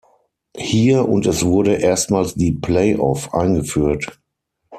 Hier und es wurde erstmals die Playoff eingeführt.